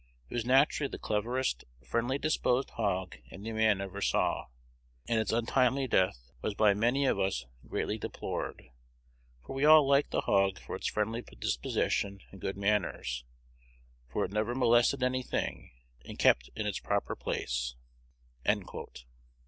It was naturally the cleverest, friendly disposed hog any man ever saw, and its untimely death was by many of us greatly deplored, for we all liked the hog for its friendly disposition and good manners; for it never molested any thing, and kept in its proper place."